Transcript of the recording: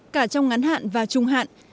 cả trong ngắn hạn và trung hạn